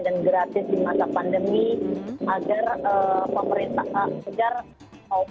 dan gratis di masa pandemi agar pemerintah sejarah